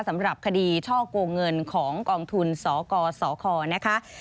สำหรับคดีช่อกงเงินของกองทุนสกสคนะคะ